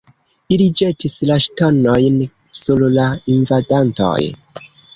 Ili ĵetis la ŝtonojn sur la invadantoj.